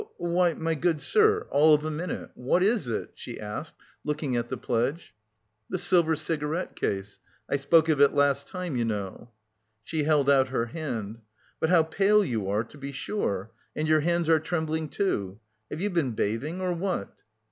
"But why, my good sir, all of a minute.... What is it?" she asked, looking at the pledge. "The silver cigarette case; I spoke of it last time, you know." She held out her hand. "But how pale you are, to be sure... and your hands are trembling too? Have you been bathing, or what?"